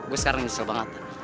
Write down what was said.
eh gue sekarang nyesel banget